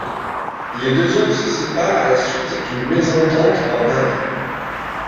Les deux hommes se séparent à la suite d'une mésentente en Inde.